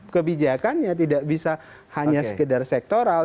kebijakannya tidak bisa hanya sekedar sektoral